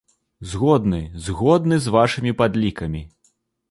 Згодны, згодны з вашымі падлікамі!